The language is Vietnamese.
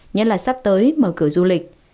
nhất là sắp tới mở cửa du lịch